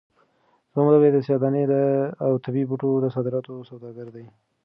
زما ملګری د سیاه دانې او طبي بوټو د صادراتو سوداګر دی.